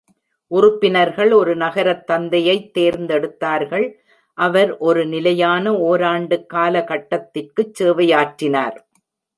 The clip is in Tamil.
உறுப்பினர்கள் ஒரு நகரத் தந்தையைத் தேர்ந்தெடுத்தார்கள், அவர் ஒரு நிலையான ஓராண்டுக் காலகட்டத்துக்குச் சேவையாற்றினார்.